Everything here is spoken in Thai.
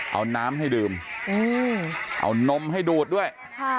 เอาน้ำให้ดื่มเอานมให้ดูดด้วย